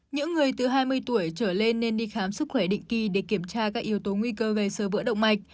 những người từ hai mươi tuổi trở lên nên đi khám sức khỏe định kỳ để kiểm tra các yếu tố nguy cơ về sơ vữa động mạch